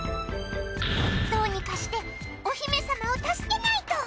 どうにかしてお姫様を助けないと！